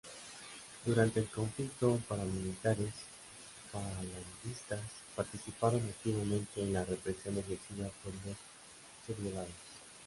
Durante el conflicto, paramilitares falangistas participaron activamente en la represión ejercida por los sublevados.